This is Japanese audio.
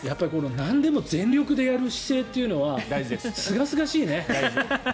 なんでも全力でやる姿勢というのはすがすがしいね。